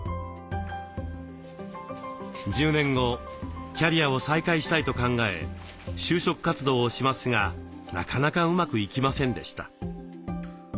１０年後キャリアを再開したいと考え就職活動をしますがなかなかうまくいきませんでした。